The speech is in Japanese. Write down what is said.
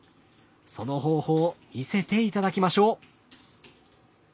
その方法見せて頂きましょう！